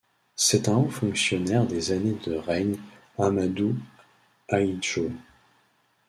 C'est un haut fonctionnaire des années de règne Ahmadou Ahidjo.